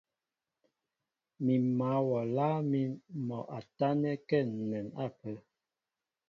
M̀ mǎl wɔ a lâŋ mín mɔ a tánɛ́kɛ́ ǹnɛn ápə́.